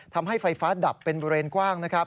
ทำให้ไฟฟ้าดับเป็นบริเวณกว้างนะครับ